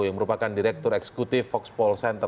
yang merupakan direktur eksekutif foxpol center